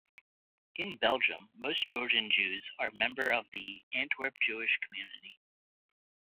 In Belgium, most Georgian Jews are member of the Antwerp Jewish community.